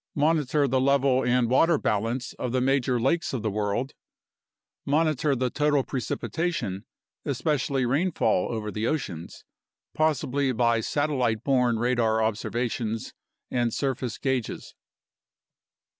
Monitor the level and water balance of the major lakes of the world. Monitor the total precipitation (especially rainfall over the oceans), possibly by satelliteborne radar observations and surface gauges.